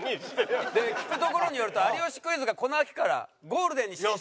聞くところによると『有吉クイズ』がこの秋からゴールデンに進出！